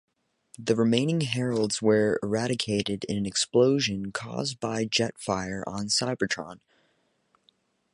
The remaining heralds were eradicated in an explosion caused by Jetfire on Cybertron.